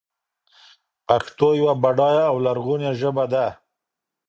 پښتو يوه بډايه او لرغونې ژبه ده.